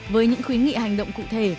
với những khuyến nghị hành động cụ thể